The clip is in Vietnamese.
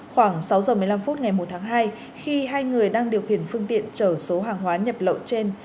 khoảng sáu giờ một mươi năm phút ngày một tháng hai khi hai người đang điều khiển phương tiện chở số hàng hóa nhập lậu trên